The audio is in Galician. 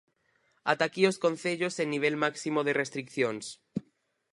Ata aquí os concellos en nivel máximo de restricións.